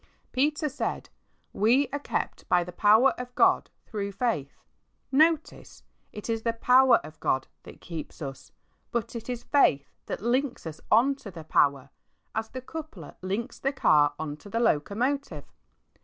Peter said, " We are kept by the power of God through faith," Notice, it is ''the power of God" that keeps us, but it is faith that links us on to the power, as the coupler links the car on to tne locomotive.